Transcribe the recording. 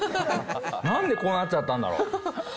なんでこうなっちゃったんだろう？